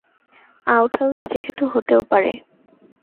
Outhouse যেহেতু হতেও পারে।